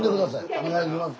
お願いします。